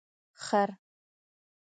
🫏 خر